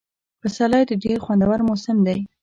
پسرلی ډېر خوندور موسم دی.